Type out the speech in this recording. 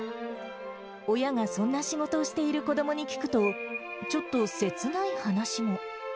親がそんな仕事をしている子どもに聞くと、ちょっと切ない話も。